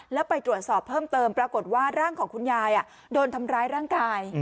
แล้วไปตรวจสอบเพิ่มเติมปรากฏว่าร่างของคุณยายโดนทำร้ายร่างกาย